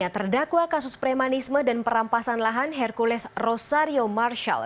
terdakwa kasus premanisme dan perampasan lahan hercules rosario marshal